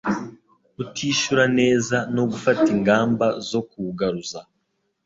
utishyura neza no gufata ingamba zo kuwugaruza